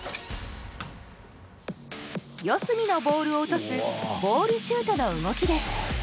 四隅のボールを落とすボールシュートの動きです。